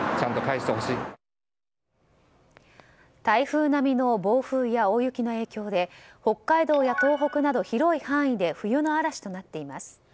台風並みの暴風や大雪の影響で北海道や東北など広い範囲で冬の嵐となっています。